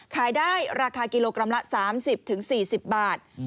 ขายได้ราคากิโลกรัมละ๓๐๔๐บาท